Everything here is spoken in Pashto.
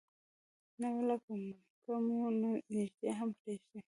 نه ولا که مو نږدې هم پرېږدي.